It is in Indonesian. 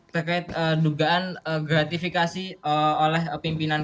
terkait dugaan gratifikasi oleh pimpinan